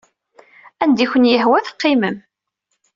Anda i ken-yehwa teqqimem.